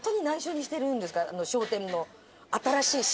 『笑点』の。